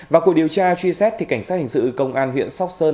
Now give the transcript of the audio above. vào cuộc điều tra truy xét thì cảnh sát hình sự công an huyện sóc sơn